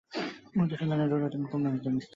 মধুসূদনের এই রূঢ়তায় কুমু একেবারে স্তম্ভিত।